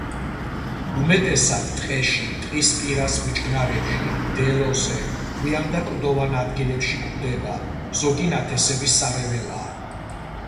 უმეტესად ტყეში, ტყის პირას ბუჩქნარებში, მდელოზე, ქვიან და კლდოვან ადგილებში გვხვდება, ზოგი ნათესების სარეველაა.